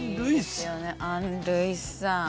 アン・ルイスさん。